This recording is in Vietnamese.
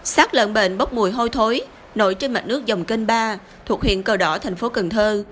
sát lợn bệnh bốc mùi hôi thối nổi trên mạch nước dòng kênh ba thuộc huyện cầu đỏ thành phố cần thơ